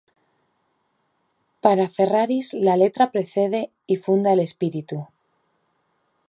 Para Ferraris la letra precede y funda el espíritu.